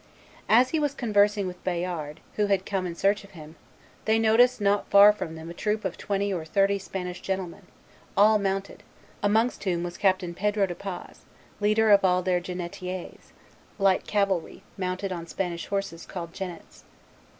As he was conversing with Bayard, who had come in search of him, they noticed not far from them a troop of twenty or thirty Spanish gentlemen, all mounted, amongst whom was Captain Pedro de Paz, leader of all their jennettiers [light cavalry, mounted on Spanish horses called jennets].